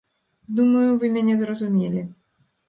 Думаю, вы мяне зразумелі.